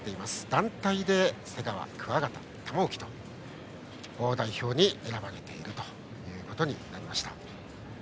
団体で瀬川、桑形、玉置が代表に選ばれているということになりました。